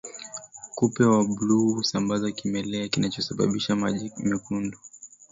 Kupe wa bluu husambaza kimelea kinachosababisha maji mekundu